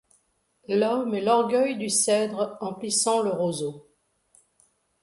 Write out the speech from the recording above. L’homme est l’orgueil du cèdre emplissant le roseau.